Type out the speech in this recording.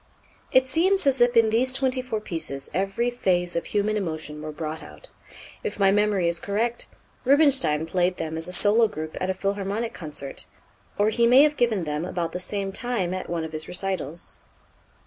It seems as if in these twenty four pieces every phase of human emotion were brought out. If my memory is correct, Rubinstein played them as a solo group at a Philharmonic concert, or he may have given them about the same time at one of his recitals.